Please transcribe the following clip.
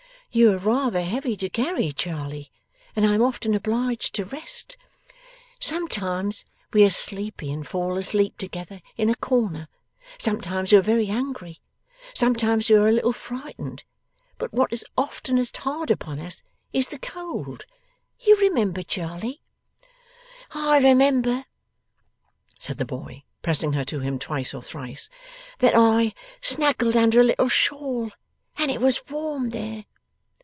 You are rather heavy to carry, Charley, and I am often obliged to rest. Sometimes we are sleepy and fall asleep together in a corner, sometimes we are very hungry, sometimes we are a little frightened, but what is oftenest hard upon us is the cold. You remember, Charley?' 'I remember,' said the boy, pressing her to him twice or thrice, 'that I snuggled under a little shawl, and it was warm there.